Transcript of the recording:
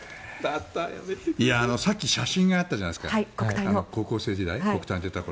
さっき写真があったじゃないですか国体に出た頃。